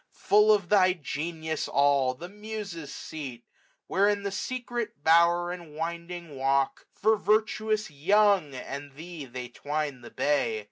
Full bf thy genius all ! the Muses' seat : Where in the secret bower, and winding walk, 66^ For virtuous Young and thee they twine the bay.